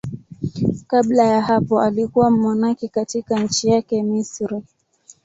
Kabla ya hapo alikuwa mmonaki katika nchi yake, Misri.